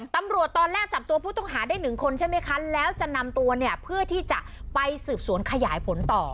ตำรวจตอนแรกจับตัวผู้ต้องหาได้หนึ่งคนใช่ไหมคะแล้วจะนำตัวเนี่ยเพื่อที่จะไปสืบสวนขยายผลต่อ